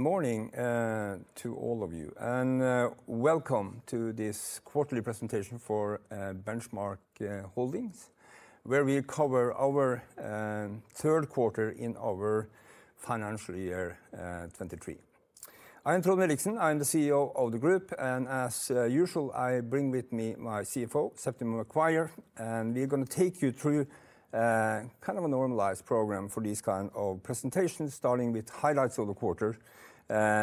Good morning, to all of you, and welcome to this quarterly presentation for Benchmark Holdings, where we cover our third quarter in our financial year 2023. I am Trond Williksen. I'm the CEO of the group, and as usual, I bring with me my CFO, Septima Maguire. We're going to take you through kind of a normalized program for these kind of presentations, starting with highlights of the quarter,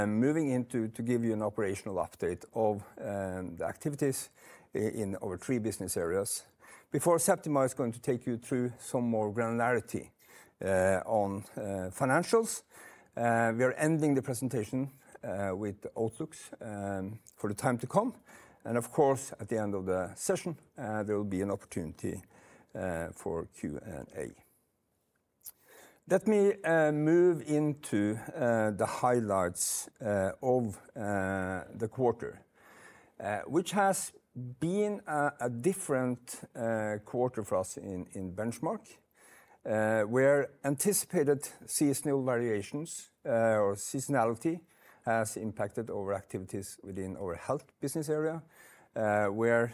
moving into to give you an operational update of the activities in our three business areas. Before Septima is going to take you through some more granularity on financials, we are ending the presentation with the outlooks for the time to come. Of course, at the end of the session, there will be an opportunity for Q&A. Let me move into the highlights of the quarter, which has been a different quarter for us in Benchmark. Where anticipated seasonal variations or seasonality has impacted our activities within our health business area, where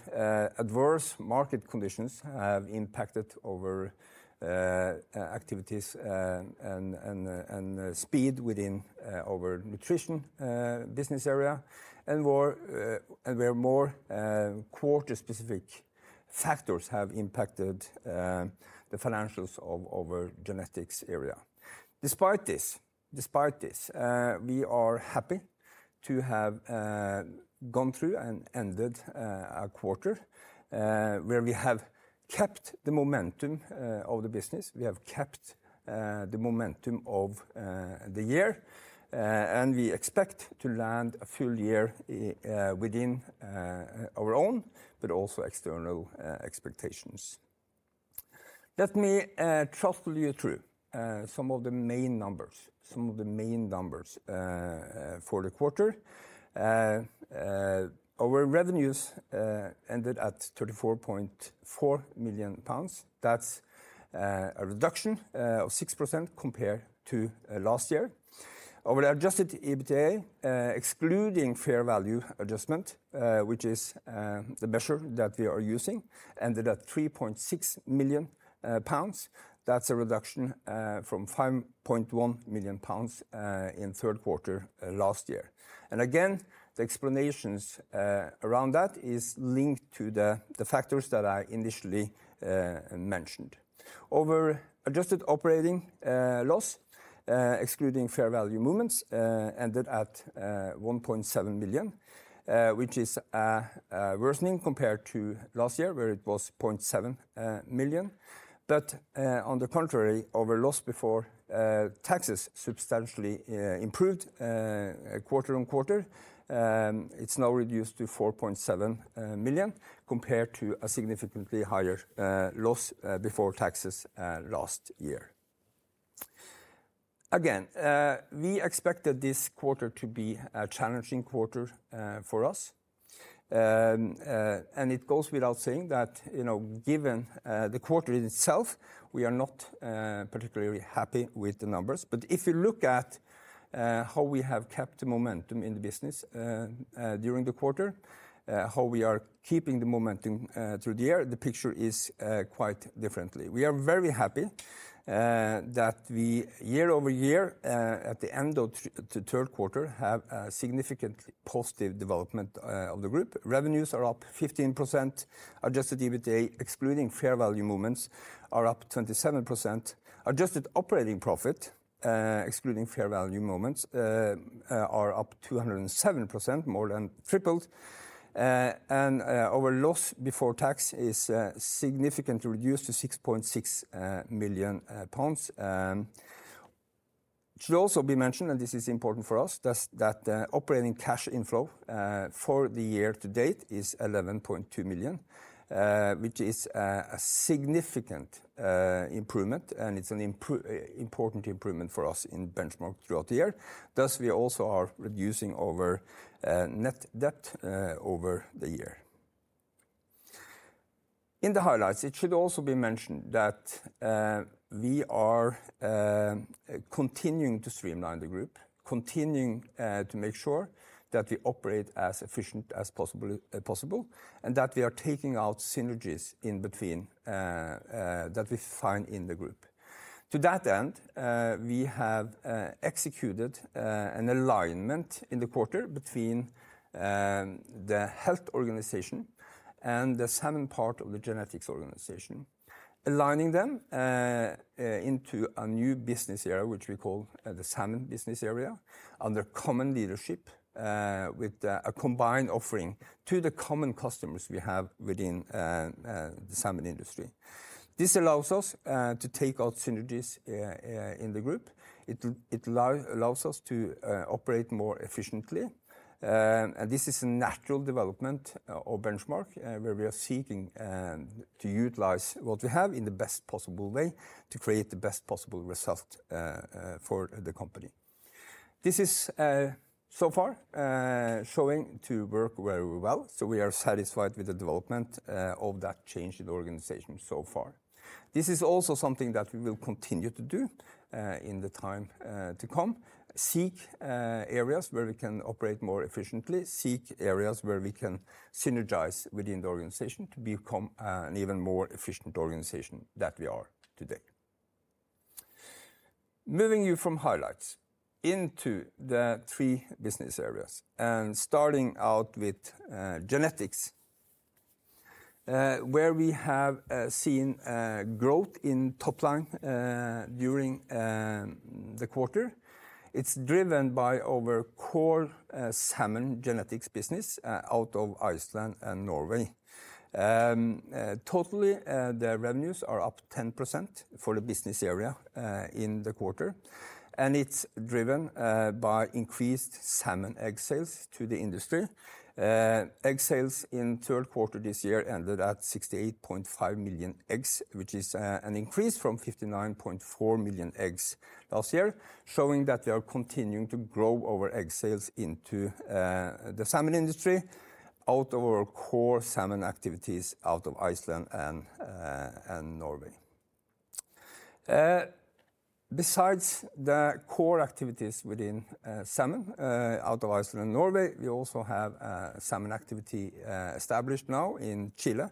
adverse market conditions have impacted our activities and speed within our nutrition business area, and where more quarter-specific factors have impacted the financials of our genetics area. Despite this, despite this, we are happy to have gone through and ended our quarter, where we have kept the momentum of the business. We have kept the momentum of the year, and we expect to land a full year within our own, but also external, expectations. Let me talk you through some of the main numbers for the quarter. Our revenues ended at 34.4 million pounds. That's a reduction of 6% compared to last year. Our adjusted EBITDA, excluding fair value adjustment, which is the measure that we are using, ended at 3.6 million pounds. That's a reduction from 5.1 million pounds in third quarter last year. And again, the explanations around that is linked to the factors that I initially mentioned. Our adjusted operating loss, excluding fair value movements, ended at 1.7 million, which is a worsening compared to last year, where it was 0.7 million. But on the contrary, our loss before taxes substantially improved quarter-over-quarter. It's now reduced to 4.7 million, compared to a significantly higher loss before taxes last year. Again, we expected this quarter to be a challenging quarter for us. And it goes without saying that, you know, given the quarter in itself, we are not particularly happy with the numbers. But if you look at how we have kept the momentum in the business during the quarter, how we are keeping the momentum through the year, the picture is quite differently. We are very happy that we, year-over-year, at the end of the third quarter, have a significantly positive development of the group. Revenues are up 15%. Adjusted EBITDA, excluding fair value movements, are up 27%. Adjusted operating profit, excluding fair value movements, are up 207%, more than tripled. Our loss before tax is significantly reduced to 6.6 million pounds. It should also be mentioned, and this is important for us, that operating cash inflow for the year to date is 11.2 million, which is a significant improvement, and it's an important improvement for us in Benchmark throughout the year. Thus, we also are reducing our net debt over the year. In the highlights, it should also be mentioned that we are continuing to streamline the group, continuing to make sure that we operate as efficient as possible, and that we are taking out synergies in between that we find in the group. To that end, we have executed an alignment in the quarter between the health organization and the salmon part of the genetics organization, aligning them into a new business area, which we call the salmon business area, under common leadership with a combined offering to the common customers we have within the salmon industry. This allows us to take out synergies in the group. It allows us to operate more efficiently. And this is a natural development of Benchmark, where we are seeking to utilize what we have in the best possible way to create the best possible result for the company. This is so far showing to work very well, so we are satisfied with the development of that change in the organization so far. This is also something that we will continue to do in the time to come. Seek areas where we can operate more efficiently, seek areas where we can synergize within the organization to become an even more efficient organization that we are today. Moving you from highlights into the three business areas, and starting out with genetics, where we have seen growth in top line during the quarter. It's driven by our core salmon genetics business out of Iceland and Norway. Totally, the revenues are up 10% for the business area in the quarter, and it's driven by increased salmon egg sales to the industry. Egg sales in third quarter this year ended at 68.5 million eggs, which is an increase from 59.4 million eggs last year, showing that we are continuing to grow our egg sales into the salmon industry out of our core salmon activities out of Iceland and Norway. Besides the core activities within salmon out of Iceland and Norway, we also have salmon activity established now in Chile,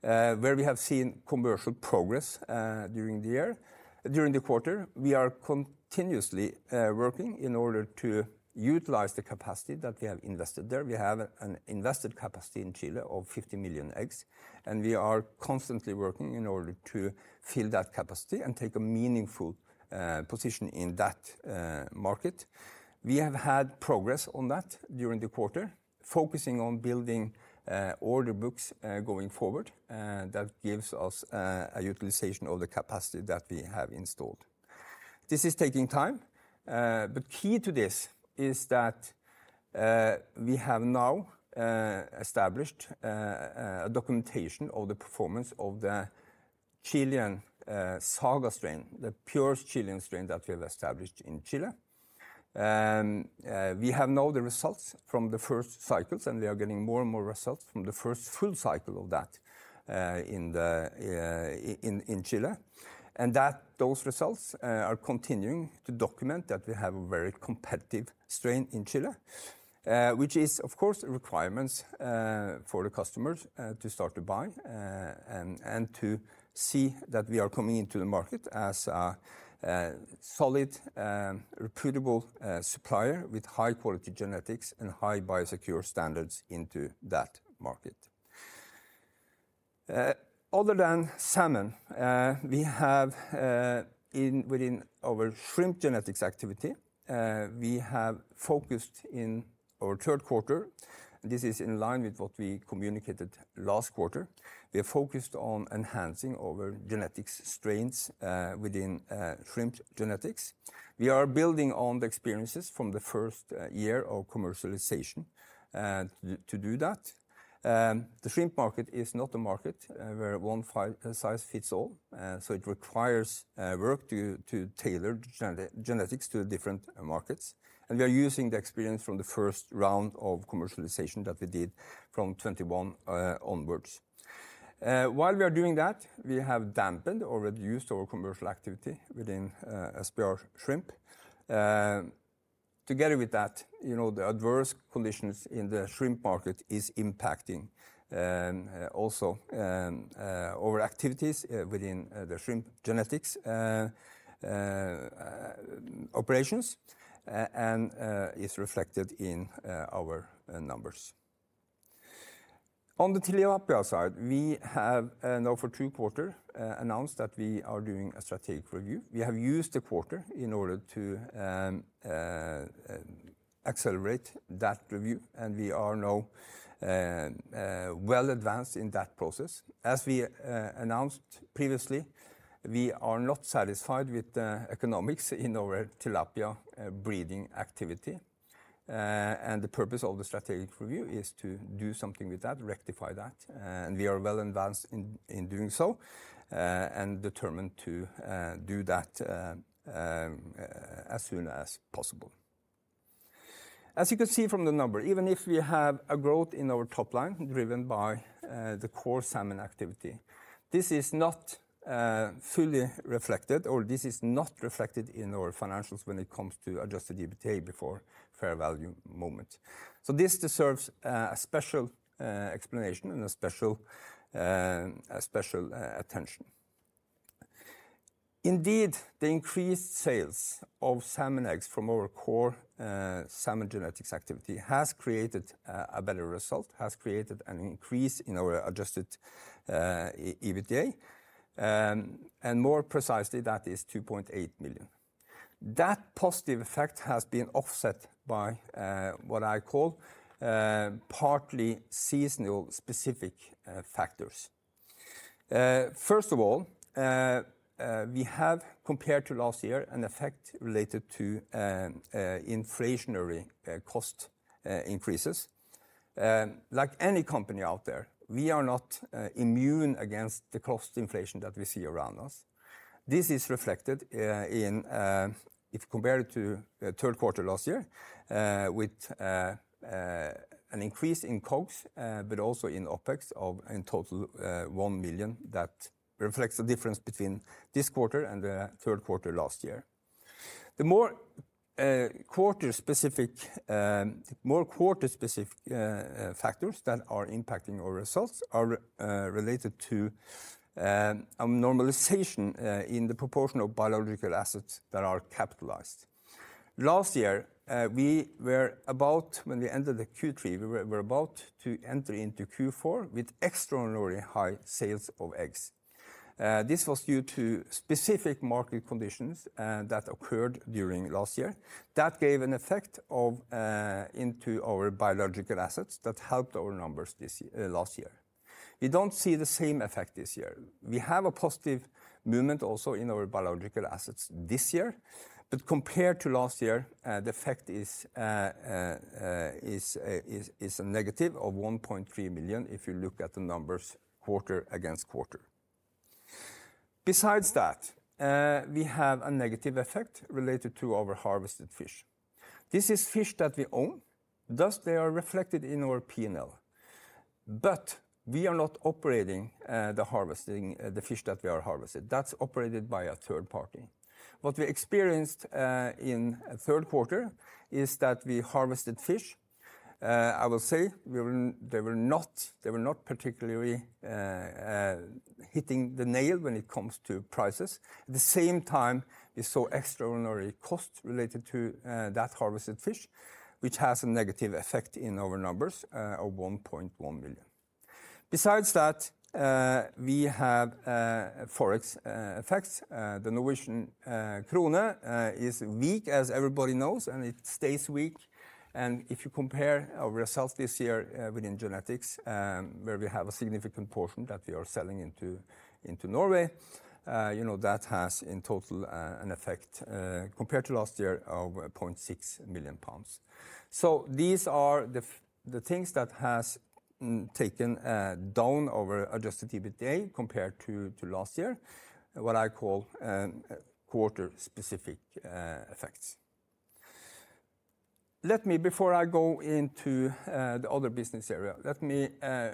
where we have seen commercial progress during the year. During the quarter, we are continuously working in order to utilize the capacity that we have invested there. We have an invested capacity in Chile of 50 million eggs, and we are constantly working in order to fill that capacity and take a meaningful position in that market. We have had progress on that during the quarter, focusing on building order books going forward that gives us a utilization of the capacity that we have installed. This is taking time, but key to this is that we have now established a documentation of the performance of the Chilean Saga strain, the pure Chilean strain that we have established in Chile. We have now the results from the first cycles, and we are getting more and more results from the first full cycle of that in Chile. Those results are continuing to document that we have a very competitive strain in Chile, which is, of course, a requirement for the customers to start to buy and to see that we are coming into the market as a solid, reputable supplier with high-quality genetics and high biosecurity standards into that market. Other than salmon, we have within our shrimp genetics activity focused in our third quarter. This is in line with what we communicated last quarter. We are focused on enhancing our genetics strains within shrimp genetics. We are building on the experiences from the first year of commercialization to do that. The shrimp market is not a market where one size fits all, so it requires work to tailor genetics to the different markets, and we are using the experience from the first round of commercialization that we did from 2021 onwards. While we are doing that, we have dampened or reduced our commercial activity within shrimp. Together with that, you know, the adverse conditions in the shrimp market is impacting also our activities within the shrimp genetics operations and is reflected in our numbers. On the tilapia side, we have now for two quarters announced that we are doing a strategic review. We have used the quarter in order to accelerate that review, and we are now well advanced in that process. As we announced previously, we are not satisfied with the economics in our tilapia breeding activity. And the purpose of the strategic review is to do something with that, rectify that, and we are well advanced in doing so, and determined to do that as soon as possible. As you can see from the number, even if we have a growth in our top line, driven by the core salmon activity, this is not fully reflected, or this is not reflected in our financials when it comes to adjusted EBITDA before fair value movement. So this deserves a special explanation and a special attention. Indeed, the increased sales of salmon eggs from our core salmon genetics activity has created a better result, has created an increase in our adjusted EBITDA, and more precisely, that is 2.8 million. That positive effect has been offset by what I call partly seasonal specific factors. First of all, we have, compared to last year, an effect related to inflationary cost increases. Like any company out there, we are not immune against the cost inflation that we see around us. This is reflected in, if compared to the third quarter last year, with an increase in COGS, but also in OpEx of in total 1 million that reflects the difference between this quarter and the third quarter last year. The more quarter-specific factors that are impacting our results are related to a normalization in the proportion of biological assets that are capitalized. Last year, when we ended Q3, we were about to enter into Q4 with extraordinarily high sales of eggs. This was due to specific market conditions that occurred during last year. That gave an effect into our biological assets that helped our numbers this year, last year. We don't see the same effect this year. We have a positive movement also in our biological assets this year, but compared to last year, the effect is a negative of 1.3 million if you look at the numbers quarter against quarter. Besides that, we have a negative effect related to our harvested fish. This is fish that we own, thus they are reflected in our P&L. But we are not operating the harvesting, the fish that we are harvested. That's operated by a third party. What we experienced in third quarter is that we harvested fish. I will say we were... They were not, they were not particularly hitting the nail when it comes to prices. At the same time, we saw extraordinary costs related to that harvested fish, which has a negative effect in our numbers of 1.1 million. Besides that, we have Forex effects. The Norwegian krone is weak, as everybody knows, and it stays weak. And if you compare our results this year, within genetics, where we have a significant portion that we are selling into, into Norway, you know, that has in total, an effect, compared to last year, of 0.6 million pounds. So these are the the things that has taken down our Adjusted EBITDA compared to, to last year, what I call, quarter-specific, effects. Let me, before I go into the other business area, let me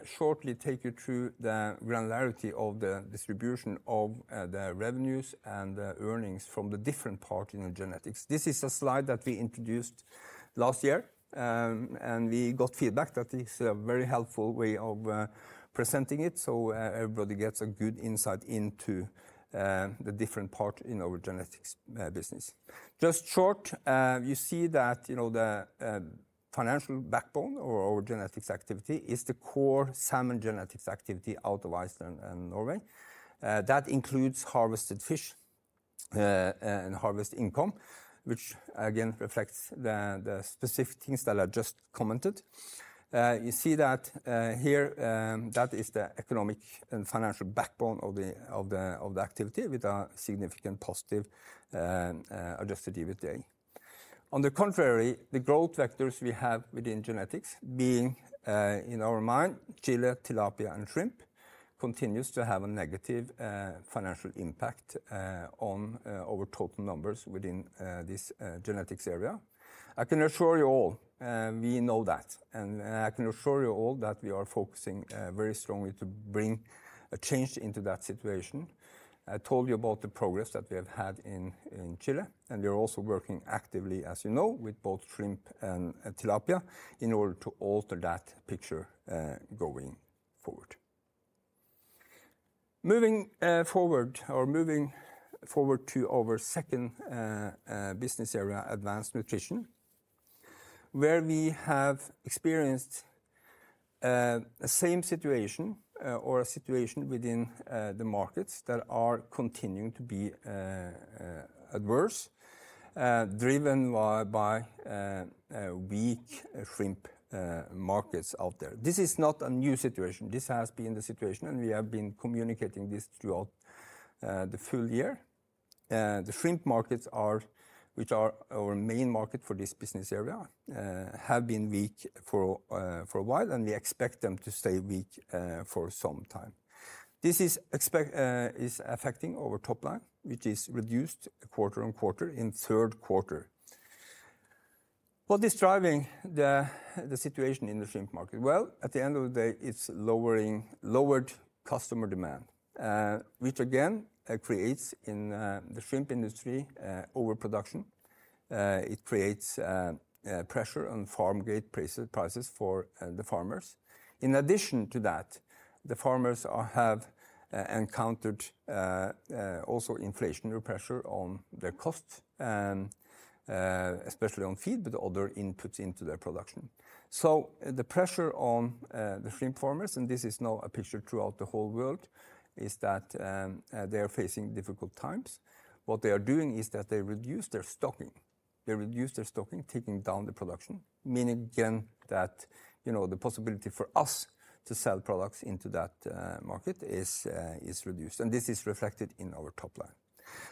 shortly take you through the granularity of the distribution of the revenues and the earnings from the different parts in the genetics. This is a slide that we introduced last year, and we got feedback that it's a very helpful way of presenting it, so everybody gets a good insight into the different part in our genetics business. Just short, you see that, you know, the financial backbone of our genetics activity is the core salmon genetics activity out of Iceland and Norway. That includes harvested fish and harvest income, which again reflects the specific things that I just commented. You see that here, that is the economic and financial backbone of the activity with a significant positive Adjusted EBITDA. On the contrary, the growth vectors we have within genetics being, in our mind, Chile, tilapia, and shrimp, continues to have a negative financial impact on our total numbers within this genetics area. I can assure you all, we know that, and I can assure you all that we are focusing very strongly to bring a change into that situation. I told you about the progress that we have had in Chile, and we are also working actively, as you know, with both shrimp and tilapia, in order to alter that picture going forward. Moving forward to our second business area, advanced nutrition, where we have experienced the same situation or a situation within the markets that are continuing to be adverse, driven by weak shrimp markets out there. This is not a new situation. This has been the situation, and we have been communicating this throughout the full year. The shrimp markets, which are our main market for this business area, have been weak for a while, and we expect them to stay weak for some time. This is expect-- is affecting our top line, which is reduced quarter-on-quarter in third quarter. What is driving the situation in the shrimp market? Well, at the end of the day, it's lowering... lowered customer demand, which again creates in the shrimp industry overproduction. It creates pressure on farm-gate prices, prices for the farmers. In addition to that, the farmers have encountered also inflationary pressure on their costs, especially on feed, but other inputs into their production. So the pressure on the shrimp farmers, and this is now a picture throughout the whole world, is that they are facing difficult times. What they are doing is that they reduce their stocking. They reduce their stocking, taking down the production, meaning again that, you know, the possibility for us to sell products into that market is reduced, and this is reflected in our top line.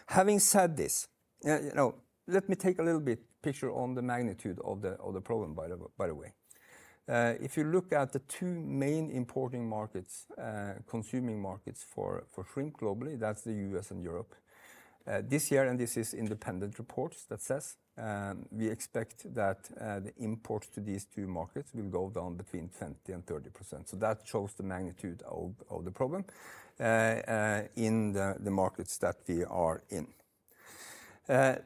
Having said this, you know, let me take a little bit picture on the magnitude of the problem by the way. If you look at the two main importing markets, consuming markets for shrimp globally, that's the U.S. and Europe. This year, and this is independent reports that says, we expect that the imports to these two markets will go down between 20%-30%. So that shows the magnitude of the problem in the markets that we are in.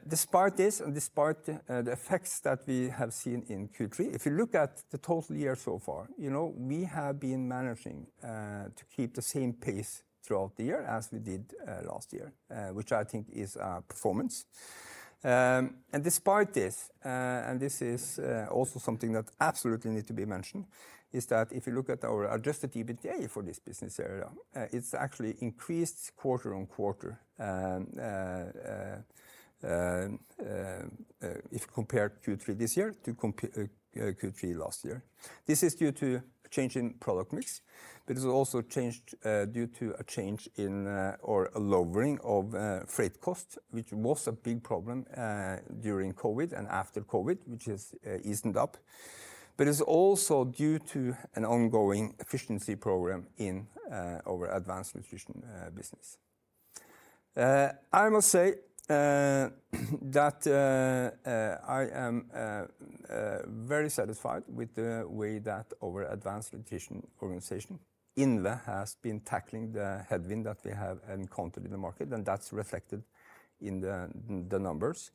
Despite this, and despite the effects that we have seen in Q3, if you look at the total year so far, you know, we have been managing to keep the same pace throughout the year as we did last year, which I think is our performance. And despite this, and this is also something that absolutely need to be mentioned, is that if you look at our Adjusted EBITDA for this business area, it's actually increased quarter-on-quarter. If you compare Q3 this year to Q3 last year. This is due to a change in product mix, but it's also changed due to a change in, or a lowering of, freight costs, which was a big problem during COVID and after COVID, which has eased up. But it's also due to an ongoing efficiency program in our advanced nutrition business. I must say that I am very satisfied with the way that our advanced nutrition organization, INVE, has been tackling the headwind that we have encountered in the market, and that's reflected in the numbers.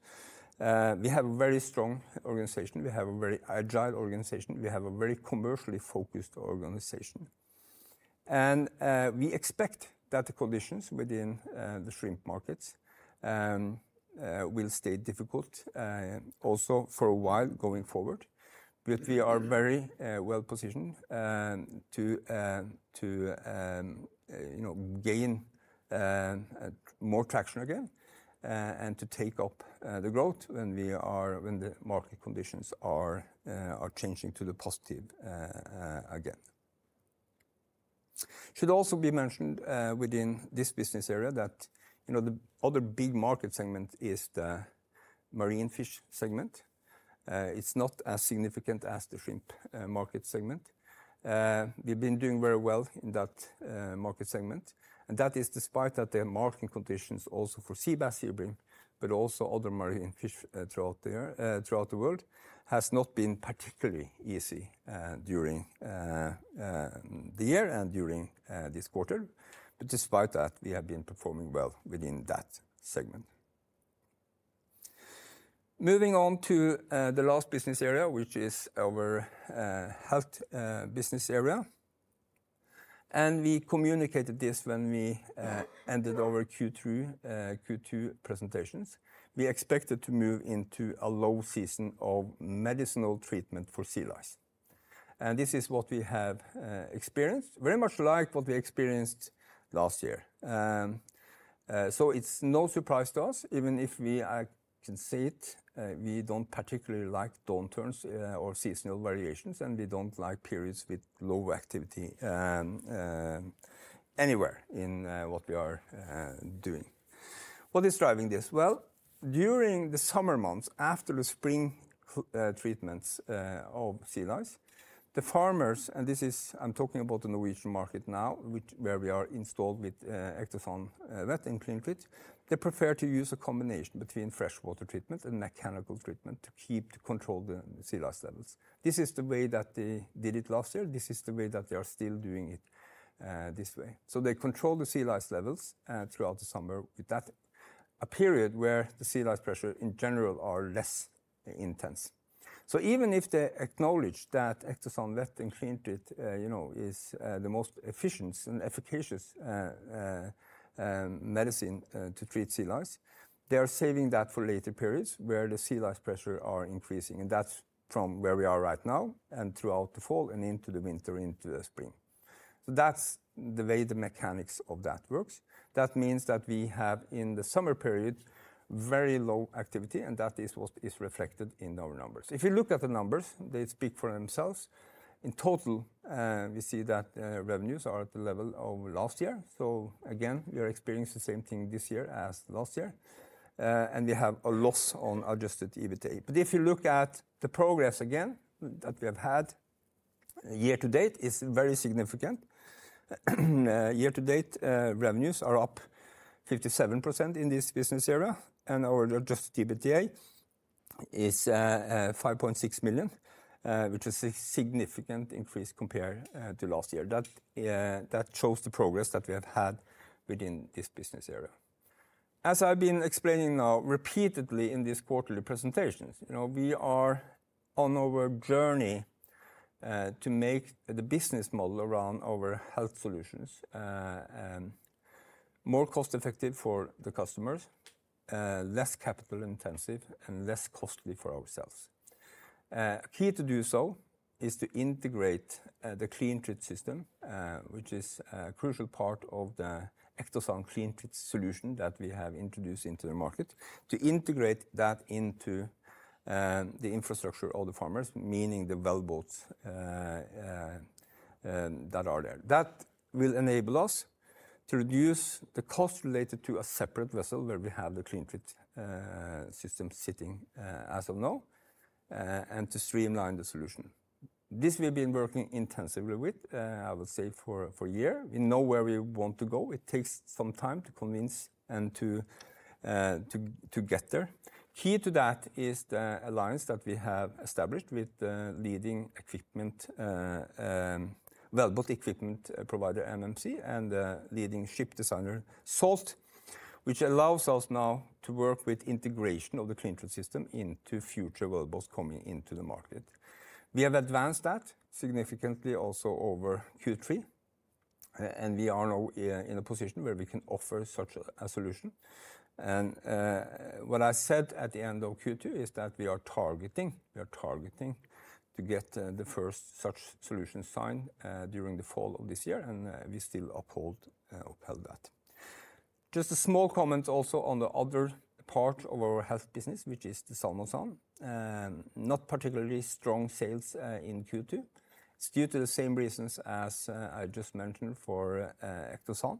We have a very strong organization. We have a very agile organization. We have a very commercially focused organization. And we expect that the conditions within the shrimp markets will stay difficult also for a while going forward. But we are very well-positioned to you know, gain more traction again, and to take up the growth when we are, when the market conditions are changing to the positive again. It should also be mentioned within this business area that, you know, the other big market segment is the marine fish segment. It's not as significant as the shrimp market segment. We've been doing very well in that market segment, and that is despite that the marketing conditions also for seabass, seabream, but also other marine fish, throughout the year... throughout the world, has not been particularly easy, during the year and during this quarter. But despite that, we have been performing well within that segment. Moving on to the last business area, which is our health business area. And we communicated this when we ended our Q3 Q2 presentations. We expected to move into a low season of medicinal treatment for sea lice, and this is what we have experienced, very much like what we experienced last year. So it's no surprise to us, even if we, I can say it, we don't particularly like downturns or seasonal variations, and we don't like periods with low activity anywhere in what we are doing. What is driving this? Well, during the summer months, after the spring treatments of sea lice, the farmers, and this is, I'm talking about the Norwegian market now, which where we are installed with Ectosan Vet and CleanTreat, they prefer to use a combination between freshwater treatment and mechanical treatment to keep, to control the sea lice levels. This is the way that they did it last year. This is the way that they are still doing it, this way. So they control the sea lice levels throughout the summer with that, a period where the sea lice pressure in general are less intense. So even if they acknowledge that Ectosan Vet and CleanTreat, you know, is the most efficient and efficacious medicine to treat sea lice, they are saving that for later periods where the sea lice pressure are increasing. And that's from where we are right now and throughout the fall and into the winter, into the spring. So that's the way the mechanics of that works. That means that we have, in the summer period, very low activity, and that is what is reflected in our numbers. If you look at the numbers, they speak for themselves. In total, we see that revenues are at the level of last year. So again, we are experiencing the same thing this year as last year. And we have a loss on Adjusted EBITDA. But if you look at the progress again that we have had year-to-date is very significant. Year-to-date, revenues are up 57% in this business area, and our Adjusted EBITDA is 5.6 million, which is a significant increase compared to last year. That shows the progress that we have had within this business area. As I've been explaining now repeatedly in these quarterly presentations, you know, we are on our journey to make the business model around our health solutions more cost-effective for the customers, less capital intensive, and less costly for ourselves. Key to do so is to integrate the CleanTreat system, which is a crucial part of the Ectosan CleanTreat solution that we have introduced into the market, to integrate that into the infrastructure of the farmers, meaning the wellboats that are there. That will enable us to reduce the cost related to a separate vessel, where we have the CleanTreat system sitting as of now, and to streamline the solution. This we've been working intensively with, I would say for a year. We know where we want to go. It takes some time to convince and to get there. Key to that is the alliance that we have established with the leading equipment, wellboat equipment provider, MMC, and leading ship designer, Salt, which allows us now to work with integration of the CleanTreat system into future wellboats coming into the market. We have advanced that significantly also over Q3, and we are now in a position where we can offer such a solution. What I said at the end of Q2 is that we are targeting, we are targeting to get the first such solution signed during the fall of this year, and we still uphold that. Just a small comment also on the other part of our health business, which is the Salmosan. Not particularly strong sales in Q2. It's due to the same reasons as I just mentioned for Ectosan.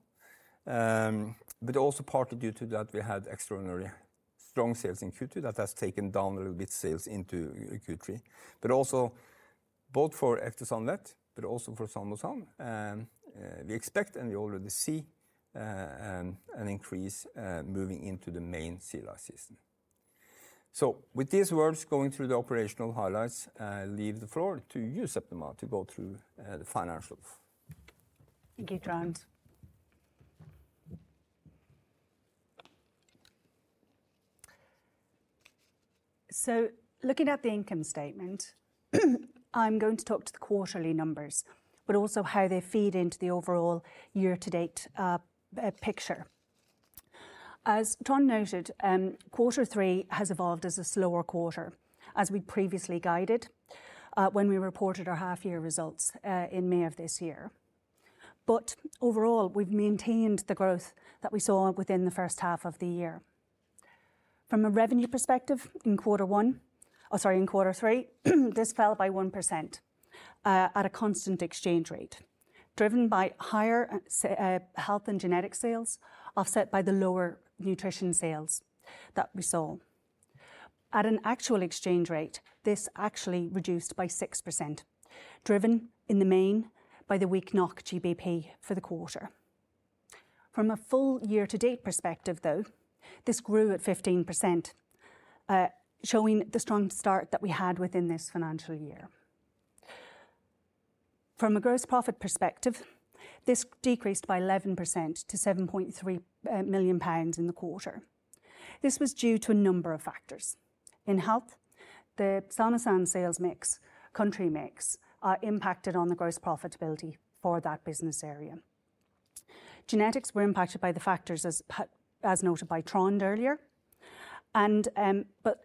But also partly due to that we had extraordinary strong sales in Q2 that has taken down a little bit sales into Q3. But also both for Ectosan Vet, but also for Salmosan Vet, we expect, and we already see, an increase, moving into the main sea lice season. So with these words, going through the operational highlights, I leave the floor to you, Septima, to go through, the financials. Thank you, Trond. Looking at the income statement, I'm going to talk to the quarterly numbers, but also how they feed into the overall year-to-date picture. As Trond noted, quarter three has evolved as a slower quarter, as we previously guided, when we reported our half year results, in May of this year. Overall, we've maintained the growth that we saw within the first half of the year. From a revenue perspective, in quarter one... Oh, sorry, in quarter three, this fell by 1% at a constant exchange rate, driven by higher health and genetic sales, offset by the lower nutrition sales that we saw. At an actual exchange rate, this actually reduced by 6%, driven in the main by the weak NOK/GBP for the quarter. From a full year-to-date perspective, though, this grew at 15%, showing the strong start that we had within this financial year. From a gross profit perspective, this decreased by 11% to 7.3 million pounds in the quarter. This was due to a number of factors. In health, the Salmosan sales mix, country mix, impacted on the gross profitability for that business area. Genetics were impacted by the factors as noted by Trond earlier. And, but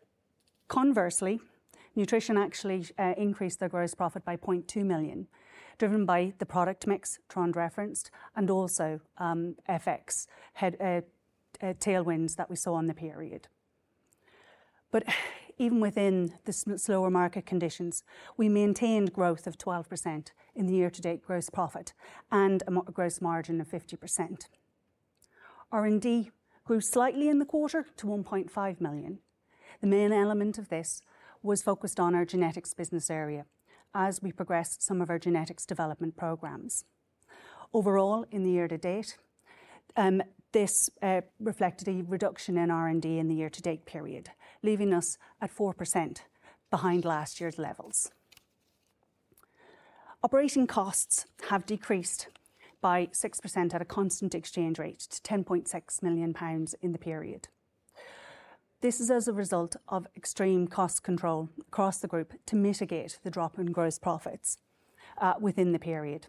conversely, nutrition actually, increased their gross profit by 0.2 million, driven by the product mix Trond referenced, and also, FX had tailwinds that we saw in the period. But even within the slower market conditions, we maintained growth of 12% in the year-to-date gross profit and a gross margin of 50%. R&D grew slightly in the quarter to 1.5 million. The main element of this was focused on our genetics business area as we progressed some of our genetics development programs. Overall, in the year to date, this reflected a reduction in R&D in the year-to-date period, leaving us at 4% behind last year's levels. Operating costs have decreased by 6% at a constant exchange rate to 10.6 million pounds in the period. This is as a result of extreme cost control across the group to mitigate the drop in gross profits within the period.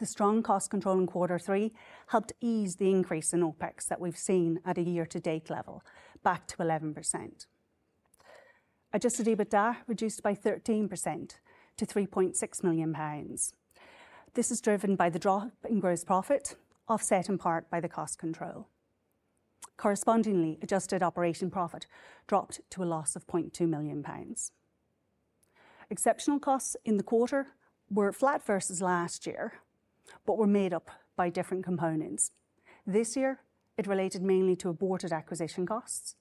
The strong cost control in quarter three helped ease the increase in OpEx that we've seen at a year-to-date level, back to 11%. Adjusted EBITDA reduced by 13% to 3.6 million pounds. This is driven by the drop in gross profit, offset in part by the cost control. Correspondingly, adjusted operating profit dropped to a loss of GBP 0.2 million. Exceptional costs in the quarter were flat versus last year, but were made up by different components. This year, it related mainly to aborted acquisition costs,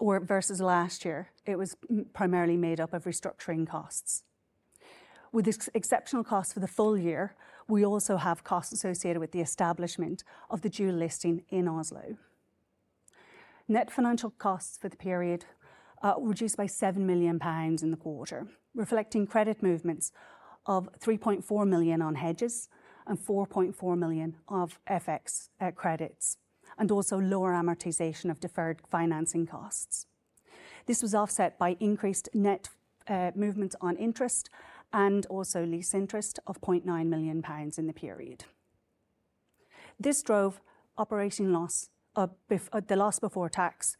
or versus last year, it was primarily made up of restructuring costs. With exceptional costs for the full year, we also have costs associated with the establishment of the dual listing in Oslo. Net financial costs for the period reduced by 7 million pounds in the quarter, reflecting credit movements of 3.4 million on hedges and 4.4 million of FX credits, and also lower amortization of deferred financing costs. This was offset by increased net movements on interest and also lease interest of 0.9 million pounds in the period. This drove operating loss, the loss before tax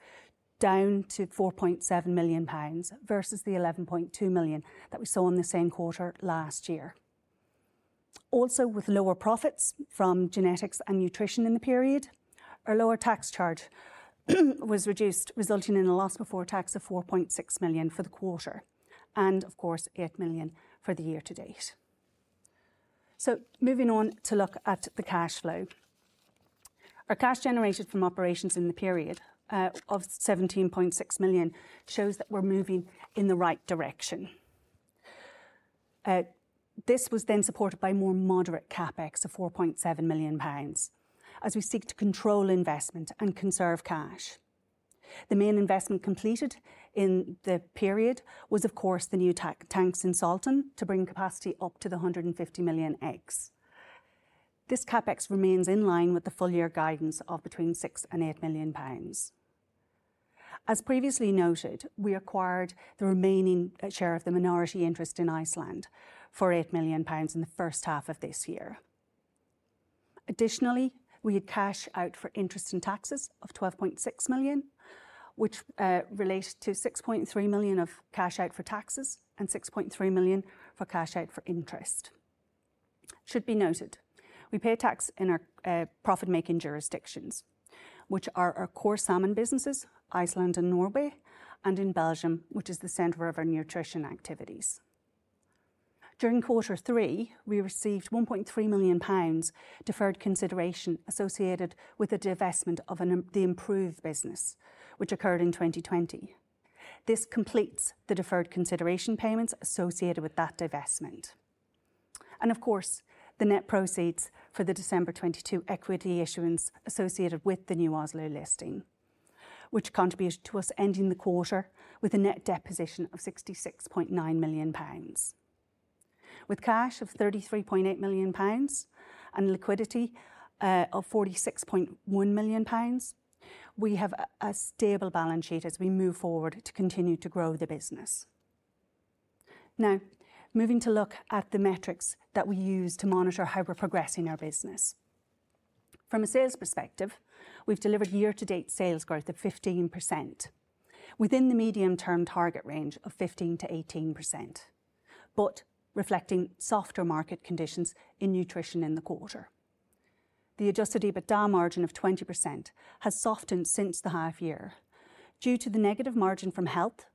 down to 4.7 million pounds versus the 11.2 million that we saw in the same quarter last year. Also, with lower profits from genetics and nutrition in the period, our lower tax charge was reduced, resulting in a loss before tax of 4.6 million for the quarter and, of course, 8 million for the year to date. So moving on to look at the cash flow. Our cash generated from operations in the period, of 17.6 million shows that we're moving in the right direction. This was then supported by more moderate CapEx of 4.7 million pounds, as we seek to control investment and conserve cash. The main investment completed in the period was, of course, the new tanks in Salten to bring capacity up to the 150 million eggs. This CapEx remains in line with the full year guidance of between 6 million and 8 million pounds. As previously noted, we acquired the remaining share of the minority interest in Iceland for 8 million pounds in the first half of this year. Additionally, we had cash out for interest and taxes of 12.6 million, which relates to 6.3 million of cash out for taxes and 6.3 million for cash out for interest. It should be noted, we pay tax in our profit-making jurisdictions, which are our core salmon businesses, Iceland and Norway, and in Belgium, which is the center of our nutrition activities. During quarter three, we received 1.3 million pounds deferred consideration associated with the divestment of the Improve business, which occurred in 2020. This completes the deferred consideration payments associated with that divestment. And of course, the net proceeds for the December 2022 equity issuance associated with the new Oslo listing, which contributed to us ending the quarter with a net debt position of 66.9 million pounds. With cash of 33.8 million pounds and liquidity of 46.1 million pounds, we have a stable balance sheet as we move forward to continue to grow the business. Now, moving to look at the metrics that we use to monitor how we're progressing our business. From a sales perspective, we've delivered year-to-date sales growth of 15% within the medium-term target range of 15%-18%, but reflecting softer market conditions in nutrition in the quarter. The adjusted EBITDA margin of 20% has softened since the half year due to the negative margin from health,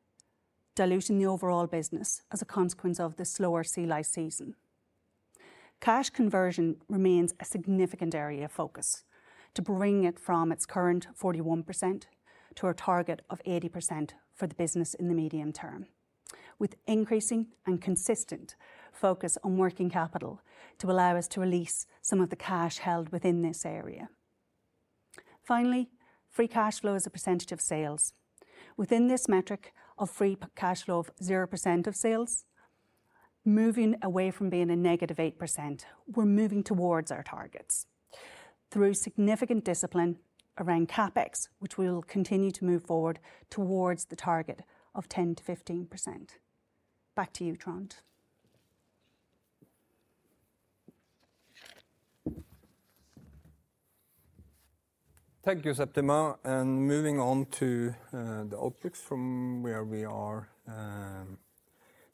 diluting the overall business as a consequence of the slower sea lice season. Cash conversion remains a significant area of focus to bring it from its current 41% to a target of 80% for the business in the medium term, with increasing and consistent focus on working capital to allow us to release some of the cash held within this area. Finally, free cash flow as a percentage of sales. Within this metric of free cash flow of 0% of sales, moving away from being a -8%, we're moving towards our targets through significant discipline around CapEx, which we will continue to move forward towards the target of 10%-15%. Back to you, Trond. Thank you, Septima. Moving on to the outlooks from where we are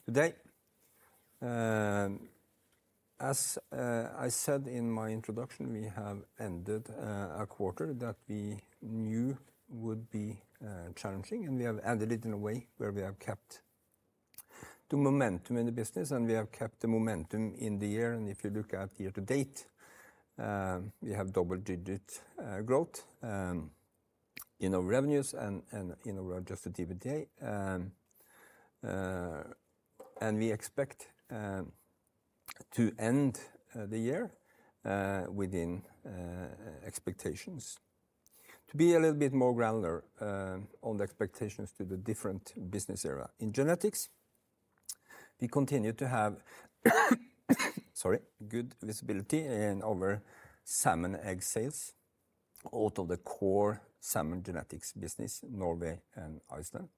today. As I said in my introduction, we have ended a quarter that we knew would be challenging, and we have ended it in a way where we have kept the momentum in the business, and we have kept the momentum in the year. If you look at year to date, we have double-digit growth in our revenues and in our Adjusted EBITDA. And we expect to end the year within expectations. To be a little bit more granular on the expectations to the different business area. In genetics, we continue to have, sorry, good visibility in our salmon egg sales, out of the core salmon genetics business, Norway and Iceland.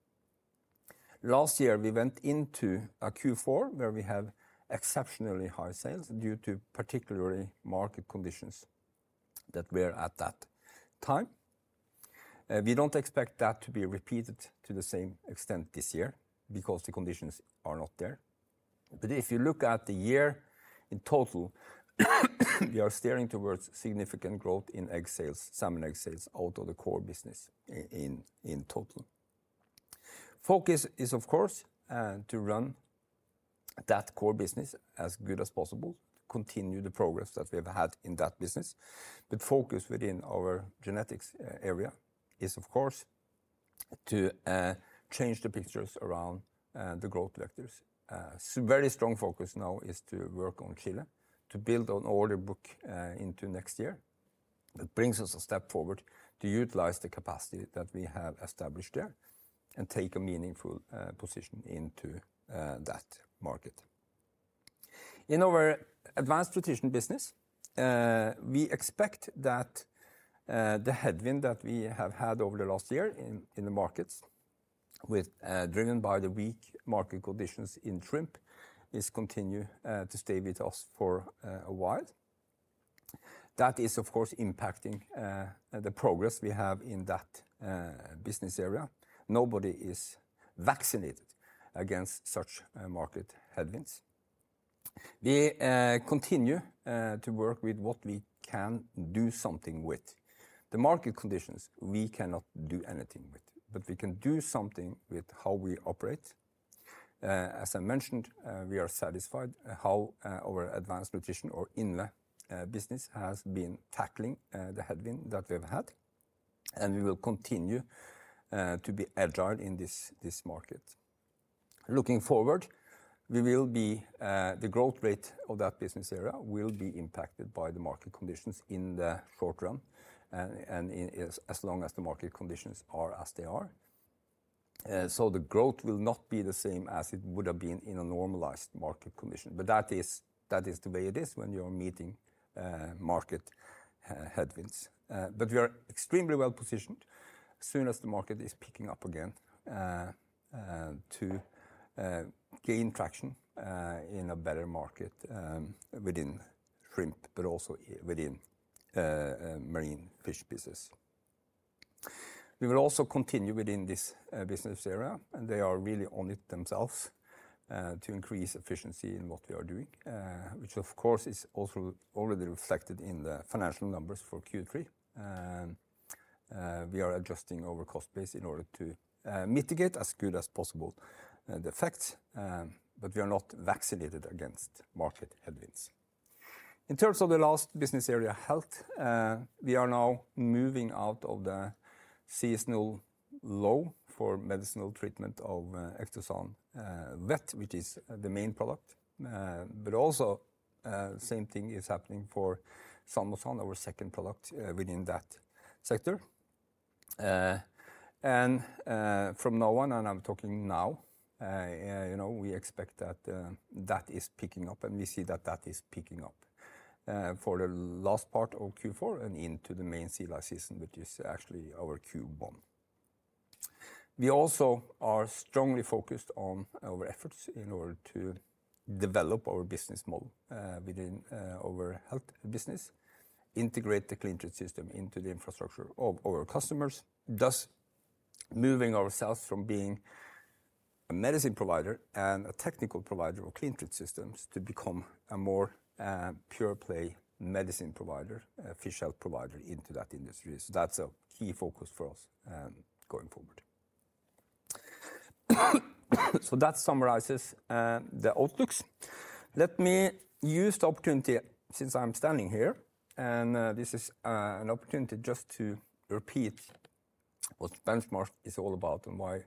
Last year, we went into a Q4, where we had exceptionally high sales due to particularly market conditions that were at that time. We don't expect that to be repeated to the same extent this year because the conditions are not there. But if you look at the year in total, we are steering towards significant growth in egg sales, salmon egg sales, out of the core business in total. Focus is, of course, to run that core business as good as possible, continue the progress that we have had in that business. But focus within our genetics area is, of course, to change the pictures around the growth vectors. So very strong focus now is to work on Chile, to build on order book into next year. That brings us a step forward to utilize the capacity that we have established there and take a meaningful position into that market. In our advanced nutrition business, we expect that the headwind that we have had over the last year in the markets, driven by the weak market conditions in shrimp, is continue to stay with us for a while. That is, of course, impacting the progress we have in that business area. Nobody is vaccinated against such market headwinds. We continue to work with what we can do something with. The market conditions, we cannot do anything with, but we can do something with how we operate. As I mentioned, we are satisfied how our advanced nutrition or INVE business has been tackling the headwind that we've had. We will continue to be agile in this market. Looking forward, we will be the growth rate of that business area will be impacted by the market conditions in the short run, and as long as the market conditions are as they are. So the growth will not be the same as it would have been in a normalized market condition. But that is the way it is when you are meeting market headwinds. But we are extremely well-positioned as soon as the market is picking up again to gain traction in a better market, within shrimp, but also within marine fish business. We will also continue within this business area, and they are really on it themselves to increase efficiency in what we are doing, which of course is also already reflected in the financial numbers for Q3. We are adjusting our cost base in order to mitigate as good as possible the effects, but we are not vaccinated against market headwinds. In terms of the last business area, health, we are now moving out of the seasonal low for medicinal treatment of Ectosan Vet, which is the main product. But also, same thing is happening for Salmosan Vet, our second product within that sector. And from now on, and I'm talking now, you know, we expect that that is picking up, and we see that that is picking up for the last part of Q4 and into the main sea lice season, which is actually our Q1. We also are strongly focused on our efforts in order to develop our business model within our health business, integrate the CleanTreat system into the infrastructure of our customers, thus moving ourselves from being a medicine provider and a technical provider of CleanTreat systems to become a more pure play medicine provider, a fish health provider into that industry. So that's a key focus for us, going forward. So that summarizes the outlooks. Let me use the opportunity since I'm standing here, and this is an opportunity just to repeat what Benchmark is all about and why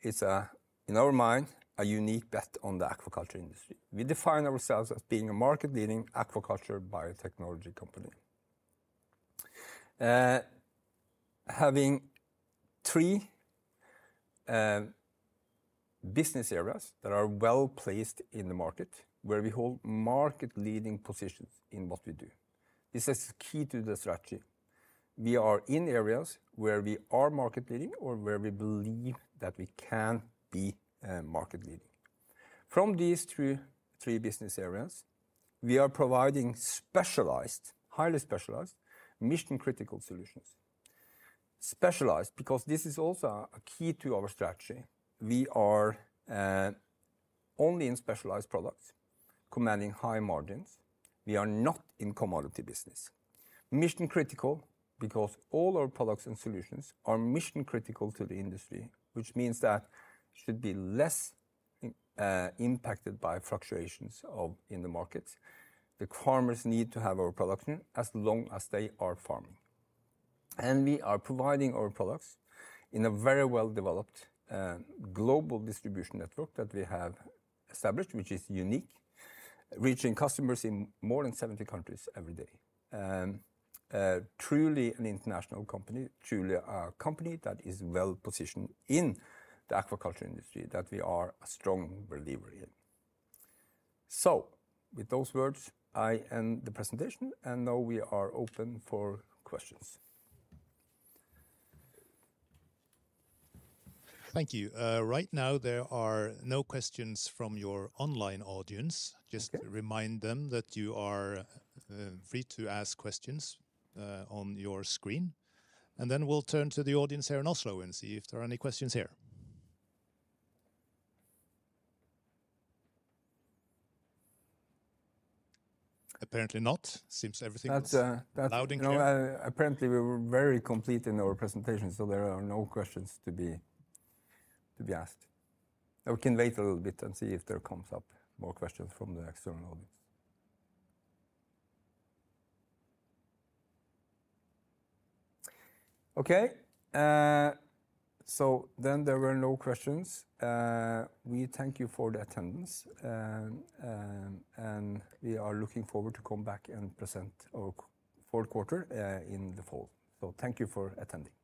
it's a, in our mind, a unique bet on the aquaculture industry. We define ourselves as being a market-leading aquaculture biotechnology company. Having three business areas that are well-placed in the market, where we hold market-leading positions in what we do. This is key to the strategy. We are in areas where we are market leading or where we believe that we can be market leading. From these three, three business areas, we are providing specialized, highly specialized, mission-critical solutions. Specialized because this is also a key to our strategy. We are only in specialized products, commanding high margins. We are not in commodity business. Mission-critical because all our products and solutions are mission-critical to the industry, which means that should be less impacted by fluctuations in the markets. The farmers need to have our production as long as they are farming. And we are providing our products in a very well-developed global distribution network that we have established, which is unique, reaching customers in more than 70 countries every day. Truly an international company, truly a company that is well positioned in the aquaculture industry that we are a strong believer in. So with those words, I end the presentation, and now we are open for questions. Thank you. Right now, there are no questions from your online audience. Okay. Just to remind them that you are free to ask questions on your screen. And then we'll turn to the audience here in Oslo and see if there are any questions here. Apparently not. Seems everything is- That's, uh- allowed in here. No, apparently, we were very complete in our presentation, so there are no questions to be asked. Or we can wait a little bit and see if there comes up more questions from the external audience. Okay, so then there were no questions. We thank you for the attendance, and we are looking forward to come back and present our fourth quarter in the fall. So thank you for attending.